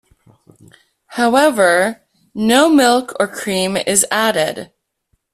However, no milk or cream is added.